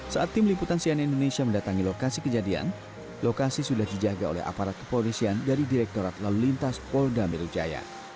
saat tim liputan sian indonesia mendatangi lokasi kejadian lokasi sudah dijaga oleh aparat kepolisian dari direktorat lalu lintas polda metro jaya